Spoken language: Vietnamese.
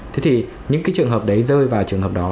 thế thì những cái trường hợp đấy rơi vào trường hợp đó